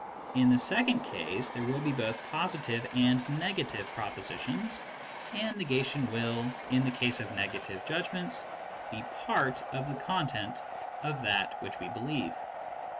In the second case, there will be both positive and negative pro positions, and negation will, in the case of negative judgments, be part of the content of that which we believe.